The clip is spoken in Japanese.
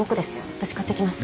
私買ってきます。